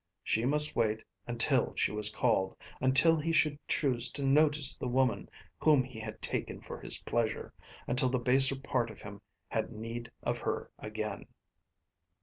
She must wait until she was called, until he should choose to notice the woman whom he had taken for his pleasure, until the baser part of him had need of her again.